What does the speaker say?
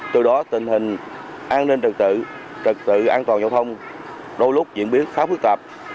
từ đó tình hình an ninh trật tự trật tự an toàn giao thông đôi lúc diễn biến khá phức tạp